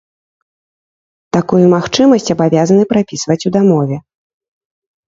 Такую магчымасць абавязаны прапісваць ў дамове.